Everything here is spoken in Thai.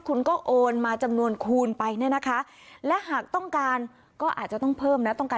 คุณก็โอนมาจำนวนคูณไปเนี่ยนะคะและหากต้องการก็อาจจะต้องเพิ่มนะต้องการ